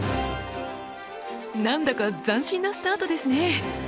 なんだか斬新なスタートですね。